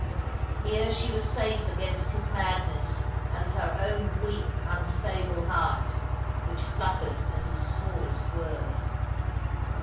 Here she was safe against his madness and her own weak unstable heart., which fluttered at his smallest word.